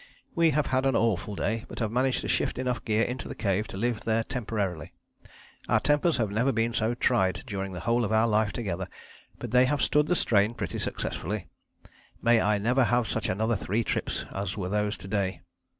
We have had an awful day, but have managed to shift enough gear into the cave to live there temporarily. Our tempers have never been so tried during the whole of our life together, but they have stood the strain pretty successfully.... May I never have such another three trips as were those to day.